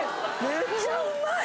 めっちゃうまい！